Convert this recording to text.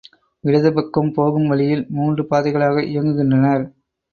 இடது பக்கம் போகும் வழியில் மூன்று பாதைகளாக இயங்குகின்றனர்.